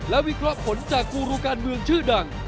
และวิเคราะห์ผลจากกูรูการเมืองชื่อดัง